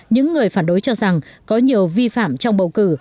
những người phản đối cho rằng có nhiều vi phạm trong bầu cử